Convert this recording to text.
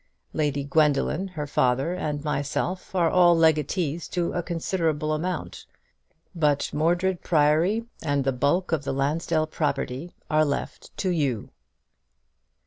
Lady Gwendoline, her father, and myself are all legatees to a considerable amount; but Mordred Priory and the bulk of the Lansdell property are left to you."